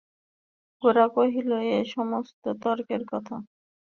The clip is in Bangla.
গোরা কহিল, ও-সমস্ত তর্কের কথা।